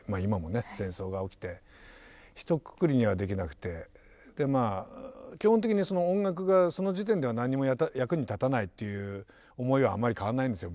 戦争が起きてひとくくりにはできなくて基本的に音楽がその時点では何も役に立たないっていう思いはあまり変わらないんですよ。